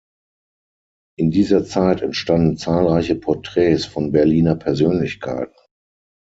In dieser Zeit entstanden zahlreiche Porträts von Berliner Persönlichkeiten.